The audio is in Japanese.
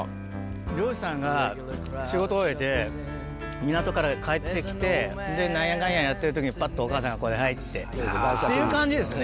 漁師さんが仕事終えて、港から帰ってきて、それでなんやかんややってるときに、ぱっと、お母さんがこれ、はいっていう感じですね。